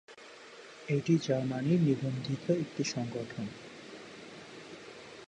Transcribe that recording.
এটি জার্মানির নিবন্ধিত একটি সংগঠন।